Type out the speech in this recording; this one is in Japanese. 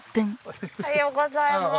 おはようございます。